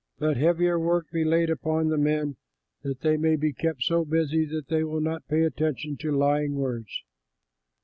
Let heavier work be laid upon the men, that they may be kept so busy that they will not pay attention to lying words."